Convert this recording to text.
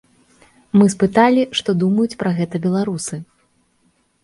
Мы спыталі, што думаюць пра гэта беларусы.